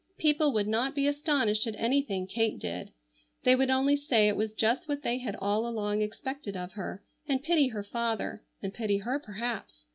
People would not be astonished at anything Kate did. They would only say it was just what they had all along expected of her, and pity her father, and pity her perhaps.